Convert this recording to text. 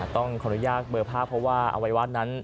ต้องขออนุญาตเบอร์ภาพเพราะว่าอวัยวะนั้น